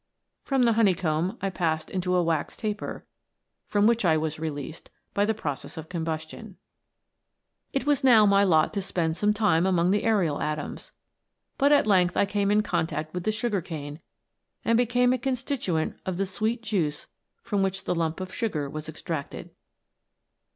From the honeycomb I passed into a wax taper, from which I was released by the process of combustion. "It was now my lot to spend some time among the aerial atoms; but at length I came in contact with the sugar cane, and became a constituent of the sweet juice from which the lump of sugar was extracted.